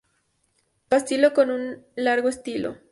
Pistilo con un largo estilo.